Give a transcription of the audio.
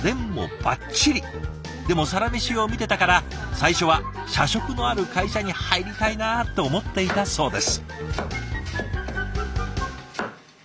でも「サラメシ」を見てたから最初は「社食のある会社に入りたいな」って思っていたそうです。